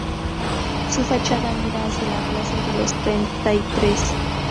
Su fachada mira hacia la Plaza de los Treinta y Tres.